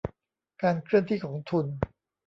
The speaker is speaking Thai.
การเคลื่อนที่ของทุน